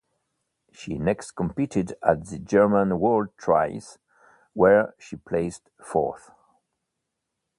She next competed at the German World Trials where she placed fourth.